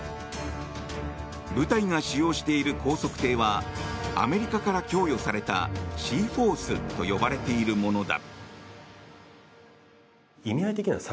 部隊が使用している高速艇はアメリカから供与されたシーフォースと呼ばれているものだ。